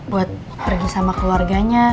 buat pergi sama keluarganya